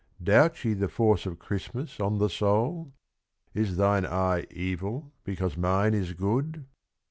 Doubt ye the force of Christmas on the soul? 'Is thine eye evil because mine is good?